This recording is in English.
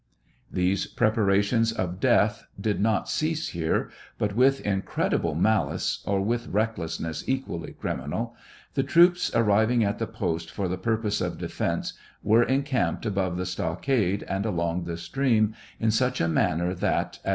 These preparations of death did not cease here, but with incredible malice, or with recklessness equally criminal, the troops arriving at the post for the pur poses of defence were encarnped above the stockade and along the stream in such a manner that, as